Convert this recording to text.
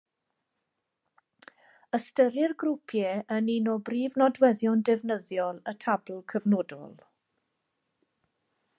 Ystyrir grwpiau yn un o brif nodweddion defnyddiol y tabl cyfnodol.